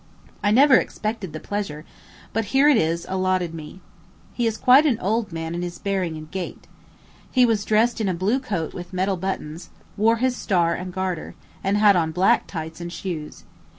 I never expected the pleasure, but here it is allotted me. He is quite an old man in his bearing and gait. He was dressed in a blue coat with metal buttons, wore his star and garter, and had on black tights and shoes.